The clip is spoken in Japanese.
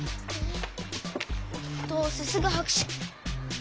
どうせすぐはくし。